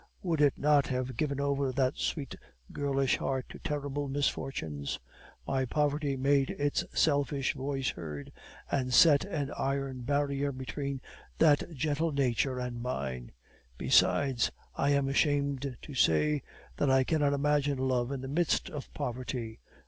Would it not have given over that sweet girlish heart to terrible misfortunes? My poverty made its selfish voice heard, and set an iron barrier between that gentle nature and mine. Besides, I am ashamed to say, that I cannot imagine love in the midst of poverty.